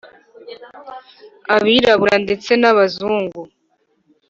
Abirabura ndetse n abazungu